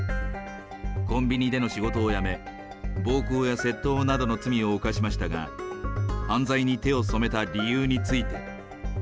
コンビニでの仕事を辞め、暴行や窃盗などの罪を犯しましたが、犯罪に手を染めた理由について。